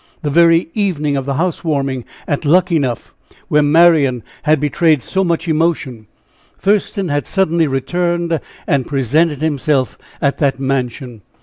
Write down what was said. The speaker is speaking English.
The very evening of the house warming at Luckenough, where Marian had betrayed so much emotion, Thurston had suddenly returned, and presented himself at that mansion.